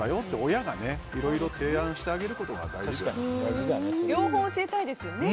親がいろいろ提案してあげることが大事ですね。